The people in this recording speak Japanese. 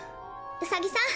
ウサギさん！